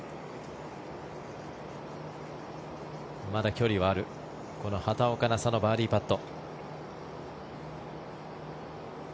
まだ距離はあるこの畑岡奈紗のバーディーパット。